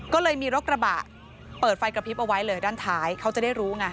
ก็เลยมีรถกระบะเปิดไฟกระพริบเอาไว้เลยด้านท้ายเขาจะได้รู้ไง